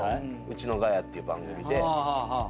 『ウチのガヤ』っていう番組で。